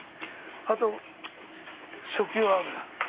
あと、食用油。